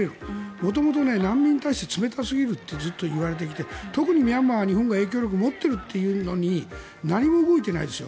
元々難民に対して冷たすぎるってずっと言われてきていて特にミャンマーには日本が影響力を持っているのに何も動いていないですよ。